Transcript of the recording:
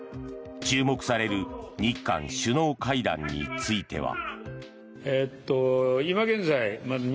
注目される日韓首脳会談については。